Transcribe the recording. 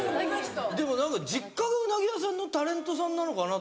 でも実家がうなぎ屋さんのタレントさんなのかなと思って。